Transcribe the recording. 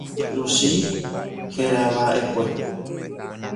Luchi herava'ekue.